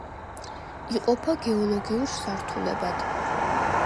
იყოფა გეოლოგიურ სართულებად.